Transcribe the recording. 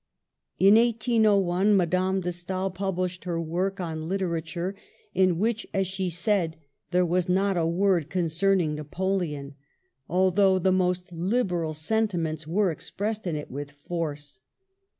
In 1801 Madame de Stael published her work on Literature, in which, as she says, there was not a word concerning Napoleon, although " the most liberal sentiments were expressed in it with force."